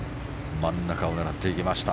真ん中を狙っていきました。